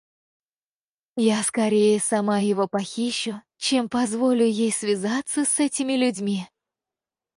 Я скорее сама его похищу, чем позволю ей связаться с этими людьми.